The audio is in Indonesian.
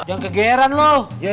jangan kegeran lo